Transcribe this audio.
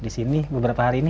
disini beberapa hari ini